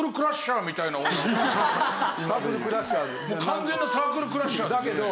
完全なサークルクラッシャーですよね。